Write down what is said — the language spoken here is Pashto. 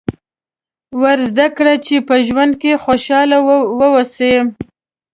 ور زده کړئ چې په ژوند کې خوشاله واوسي.